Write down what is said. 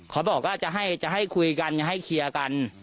เขาบอกว่าจะให้คุยกันจะให้เคลียร์กัน